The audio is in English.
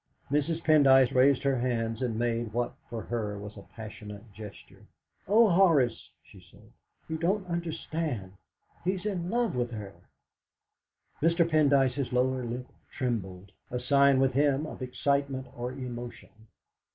Mrs. Pendyce raised her hands and made what for her was a passionate gesture. "Oh, Horace!" she said, "you don't understand. He's in love with her!" Mr. Pendyce's lower lip trembled, a sign with him of excitement or emotion.